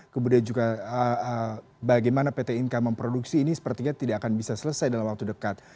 kemudian juga bagaimana pt inka memproduksi ini sepertinya tidak akan bisa selesai dalam waktu dekat